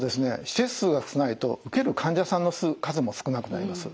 施設数が少ないと受ける患者さんの数も少なくなります。